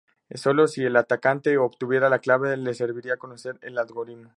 Sólo si el atacante obtuviera la clave, le serviría conocer el algoritmo.